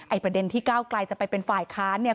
ประเด็นที่ก้าวไกลจะไปเป็นฝ่ายค้านเนี่ย